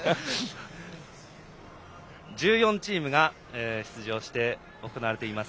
１４チームが出場して行われています